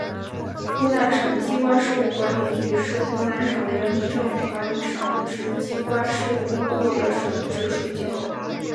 湖南省机关事务管理局是湖南省人民政府管理省直机关事务工作的省直属机构。